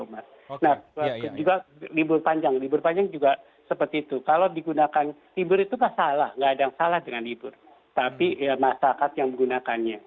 masyarakat yang menggunakannya